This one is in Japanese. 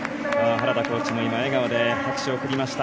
原田コーチも笑顔で拍手を送りました。